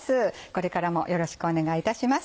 これからもよろしくお願いいたします。